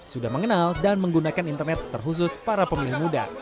sudah mengenal dan menggunakan internet terkhusus para pemilih muda